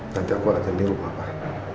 nanti aku akan latihan di rumah pak